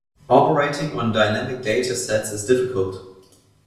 Operating on dynamic data sets is difficult.